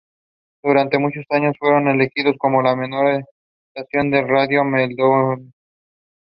Rodriguez Hertz works on dynamical systems and ergodic theory.